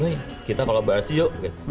wih kita kalau beraksi yuk